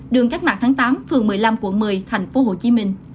đường cát mạc tháng tám phường một mươi năm quận một mươi tp hcm